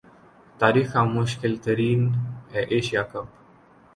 تاریخ کا مشکل ترین ایشیا کپ